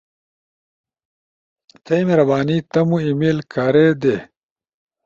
تھئی مہربانی ا تمو ای میل کھارے دے۔